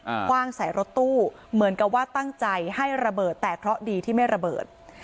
คว่างใส่รถตู้เหมือนกับว่าตั้งใจให้ระเบิดแต่เคราะห์ดีที่ไม่ระเบิด